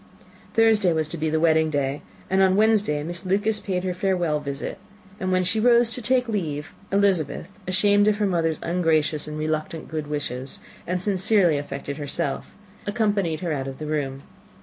Thursday was to be the wedding day, and on Wednesday Miss Lucas paid her farewell visit; and when she rose to take leave, Elizabeth, ashamed of her mother's ungracious and reluctant good wishes, and sincerely affected herself, accompanied her out of the room.